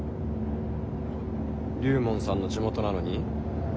龍門さんの地元なのに？